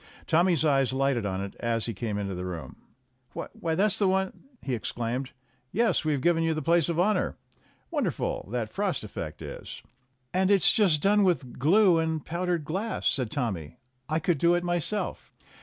Tommy's eyes lighted on it as he came into the room. "Why, that's the one " he exclaimed. "Yes, we've given you the place of honor. Won derful, that frost effect is !" "And it's just done with glue and powdered glass," said Tommy. "I could do it myself."